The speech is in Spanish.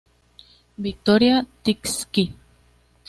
Vitoria Txiki.